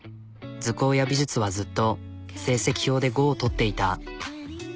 図工や美術はずっと成績表で５を取っていた。